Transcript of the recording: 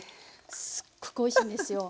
すっごくおいしいんですよ。